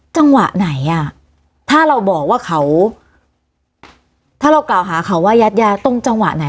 จังหวะไหนอ่ะถ้าเราบอกว่าเขาถ้าเรากล่าวหาเขาว่ายัดยาตรงจังหวะไหน